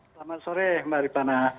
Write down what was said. selamat sore mbak ripana